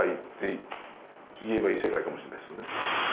かもしれないですよね。